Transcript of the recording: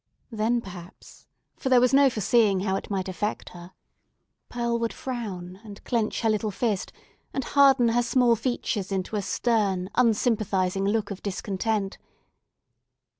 Then, perhaps—for there was no foreseeing how it might affect her—Pearl would frown, and clench her little fist, and harden her small features into a stern, unsympathising look of discontent.